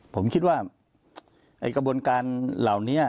ผมคิดว่าไอ้กระบวนการเหล่านี้